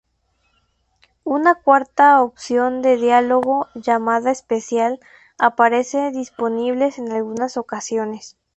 Una cuarta opción de diálogo, llamada "especial", aparece disponible en algunas ocasiones.